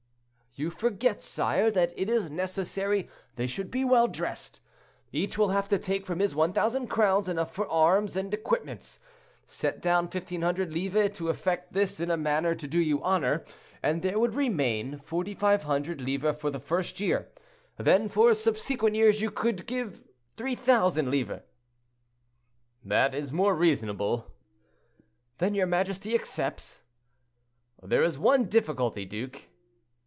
"You forget, sire, that it is necessary they should be well dressed. Each will have to take from his 1,000 crowns enough for arms and equipments. Set down 1,500 livres to effect this in a manner to do you honor, and there would remain 4,500 livres for the first year. Then for subsequent years you could give 3,000 livres." "That is more reasonable." "Then your majesty accepts?" "There is only one difficulty, duke."